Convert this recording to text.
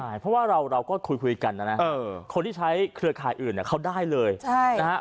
ใช่เพราะว่าเราก็คุยกันนะนะคนที่ใช้เครือข่ายอื่นเขาได้เลยนะฮะ